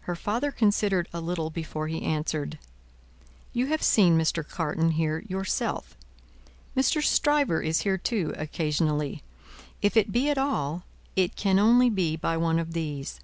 Her father considered a little before he answered: "You have seen Mr. Carton here, yourself. Mr. Stryver is here too, occasionally. If it be at all, it can only be by one of these."